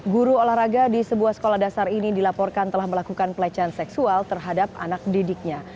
guru olahraga di sebuah sekolah dasar ini dilaporkan telah melakukan pelecehan seksual terhadap anak didiknya